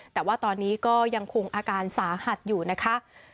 แต่ว่าตอนนี้ก็ยังคงอาการสาหัสอยู่นะคะ